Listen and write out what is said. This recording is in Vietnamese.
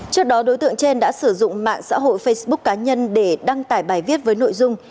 trước đó đối tượng trên đã sử dụng mạng xã hội facebook cá nhân để đăng tải bài viết với nội dung